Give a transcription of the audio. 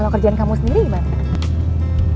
kalau kerjaan kamu sendiri gimana